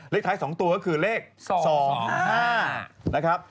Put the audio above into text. เลขท้าย๒ตัวก็คือเลข๒๕นะครับ